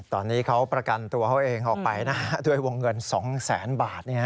ตอนนี้เขาประกันตัวเขาเองออกไปนะด้วยวงเงิน๒แสนบาท